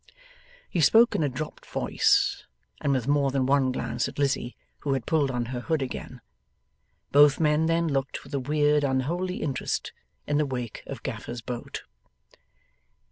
He spoke in a dropped voice, and with more than one glance at Lizzie who had pulled on her hood again. Both men then looked with a weird unholy interest in the wake of Gaffer's boat.